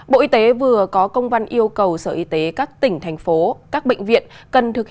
bộ y tế vừa có công văn yêu cầu sở y tế các tỉnh thành phố các bệnh viện